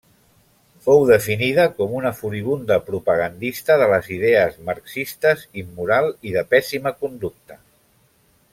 Fou definida com una furibunda propagandista de les idees marxistes, immoral i de pèssima conducta.